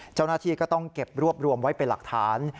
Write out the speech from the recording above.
เจ้าหน้าที่ก็ต้องเก็บรวบรวมไว้เป็นหลักฐาน